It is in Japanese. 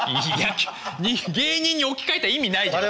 芸人に置き換えた意味ないじゃん。